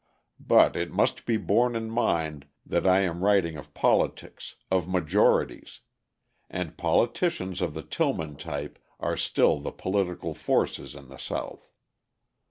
But it must be borne in mind that I am writing of politics, of majorities: and politicians of the Tillman type are still the political forces in the South.